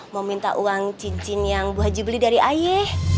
mau minta uang cincin yang bu haji beli dari ae